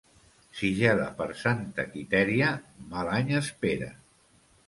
Si gela per Santa Quitèria, mal any espera.